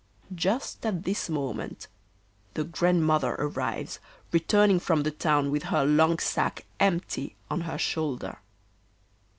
Just at this moment the Grandmother arrives, returning from the town with her long sack empty on her shoulder.